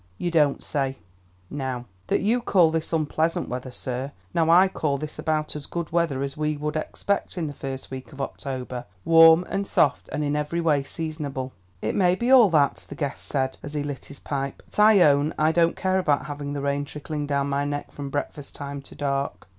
"You don't say, now, that you call this unpleasant weather, sir? Now I call this about as good weather as we could expect in the first week of October warm and soft, and in every way seasonable." "It may be all that," the guest said, as he lit his pipe; "but I own I don't care about having the rain trickling down my neck from breakfast time to dark."